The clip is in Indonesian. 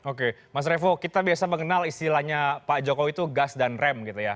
oke mas revo kita biasa mengenal istilahnya pak jokowi itu gas dan rem gitu ya